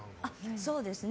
そうですね。